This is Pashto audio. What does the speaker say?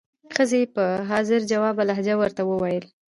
ښځې یې په حاضر جوابه لهجه ورته وویل.